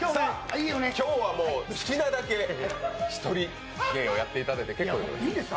今日はもう、好きなだけひとり芸をやっていただいて結構でございます。